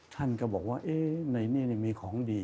ท่านก็บอกว่าในนี้มีของดี